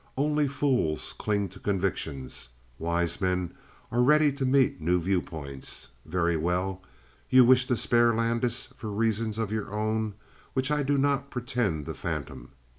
Only fools cling to convictions; wise men are ready to meet new viewpoints. Very well. You wish to spare Landis for reasons of your own which I do not pretend to fathom.